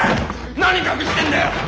何隠してんだよッ！